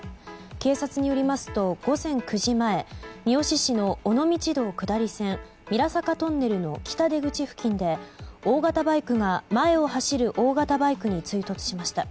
警察によりますと午前９時前三次市の尾道道下り線三良坂トンネルの北出口付近で大型バイクが前を走る車に追突しました。